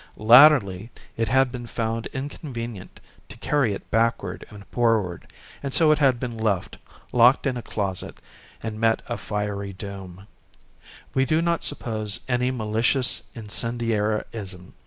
Latterly it had been found inconvenient to carry it backward and forward ; and so it had been left, locked in a closet, and met a fiery doom. We do not suppose any malicious incendiarism.